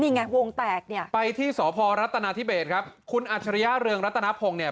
นี่ไงวงแตกเนี่ยไปที่สพรัฐนาธิเบสครับคุณอัจฉริยะเรืองรัตนพงศ์เนี่ย